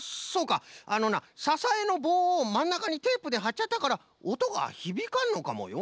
あのなささえのぼうをまんなかにテープではっちゃったからおとがひびかんのかもよ？